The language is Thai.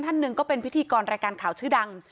ท่านหนึ่งก็เป็นพิธีกรรายการข่าวชื่อดัง